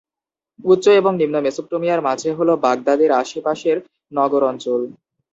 উচ্চ এবং নিম্ন মেসোপটেমিয়ার মাঝে হ'ল বাগদাদ এর আশেপাশের নগর অঞ্চল।